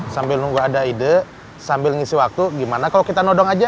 sambil nunggu ada ide sambil ngisi waktu gimana kalau kita nodong aja